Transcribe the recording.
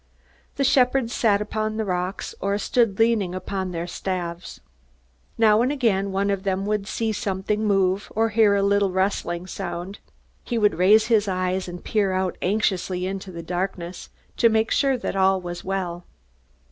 The shepherds sat upon the rocks, or stood leaning upon their staves. Now and again one of them would see something move, or hear a little rustling sound. He would raise his eyes and peer out anxiously into the darkness to make sure that all was well.